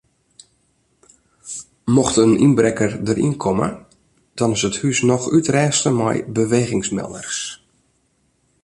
Mocht in ynbrekker deryn komme dan is it hús noch útrêste mei bewegingsmelders.